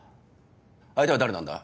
相手は誰なんだ？